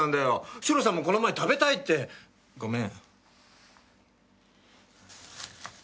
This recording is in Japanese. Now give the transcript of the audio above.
史朗さんもこの前食べたいって。ごめん。